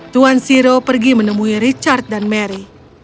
tuan zero pergi menemui richard dan mary